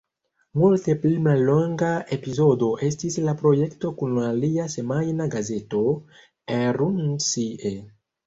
Multe pli mallonga epizodo estis la projekto kun alia semajna gazeto, "Er und Sie.